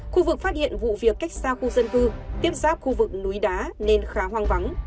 khu vực phát hiện vụ việc cách xa khu dân cư tiếp giáp khu vực núi đá nên khá hoang vắng